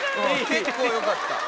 結構よかった。